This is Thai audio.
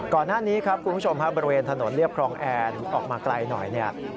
ก่อนหน้านี้คุณผู้ชมบริเวณถนนเลียบคลองแอร์ออกมาไกลหน่อย